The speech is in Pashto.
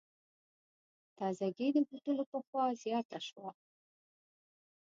تازګي د بوټو له پخوا زیاته شوه.